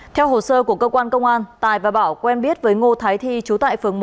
theo hồ sơ của công an tài và bảo quen biết với ngô thái thi chú tại phường một